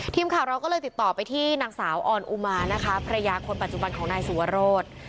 ทีมข่าวเราก็เลยติดต่อไปที่นางสาวออนอุมานะคะภรรยาคนปัจจุบันของนายสุวรส